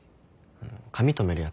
髪とめるやつ。